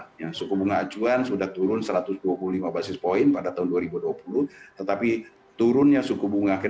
ya saat ini walaupun suku bunga acuan sudah turun tetapi suku bunga kredit perbankan itu belum sepenuhnya mengikuti penurunan suku bunga acuan